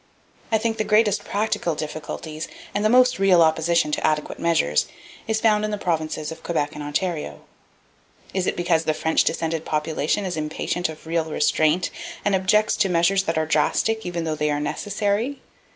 I think the greatest practical difficulties, and the most real opposition to adequate measures, is found in the Provinces of Quebec and Ontario. Is it because [Page 351] the French descended population is impatient of real restraint, and objects to measures that are drastic, even though they are necessary?